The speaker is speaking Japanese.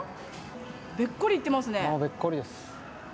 べっこりです。